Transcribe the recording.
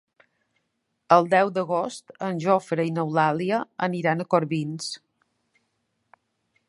El deu d'agost en Jofre i n'Eulàlia aniran a Corbins.